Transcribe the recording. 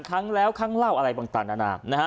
ครั้งแล้วครั้งเล่าอะไรบางตันอนาม